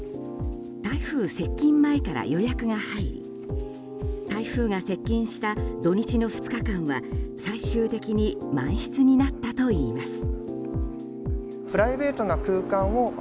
台風接近前から予約が入り台風が接近した土日の２日間は最終的に満室になったといいます。